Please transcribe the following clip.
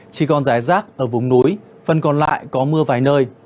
chỉ còn giải rác ở vùng núi phần còn lại có mưa vài nơi